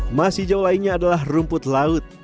emas hijau lainnya adalah rumput laut